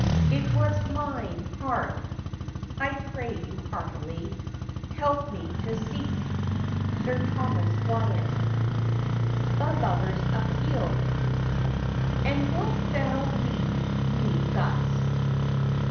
It was mine heart! I pray you heartily Help me to seek! Sir Thomas Wyatt. THE LOVER'S APPEAL. And wilt thou leave me thus?